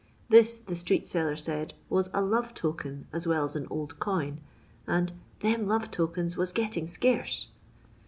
This, the street seller said, vras a " lo%'e token '* as well as an old coin, and "them love tokens was getting scarce."